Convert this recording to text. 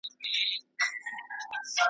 زموږ په رنګ درته راوړي څوک خوراکونه؟ .